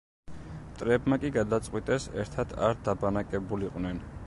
მტრებმა კი გადაწყვიტეს ერთად არ დაბანაკებულიყვნენ.